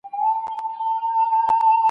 حقوق الله تل په پام کي ونیسئ.